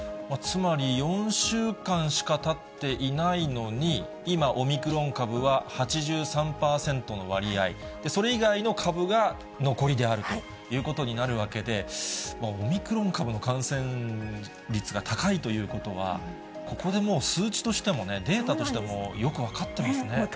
つまり、４週間しかたっていないのに、今、オミクロン株は８３％の割合、それ以外の株が残りであるということになるわけで、オミクロン株の感染率が高いということは、ここでもう数値としてもデータとしてもよく分かってますね。